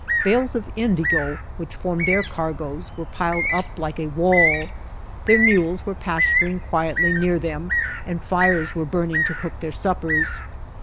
Bales of indigo, which formed their car goes, were piled up like a wall ; their mules were pas turing quietly near them, and fires were burning to cook their suppers.